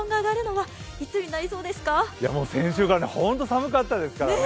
先週からほんと寒かったですからね。